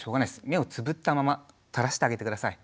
目をつぶったまま垂らしてあげて下さい。